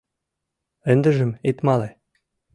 Ындыжым ит мале.